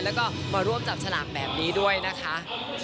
แล้วก็มาร่วมจับฉลากแบบนี้ด้วยนะคะ